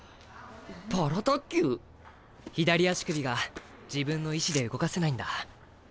左足首が自分の意思で動かせないんだ。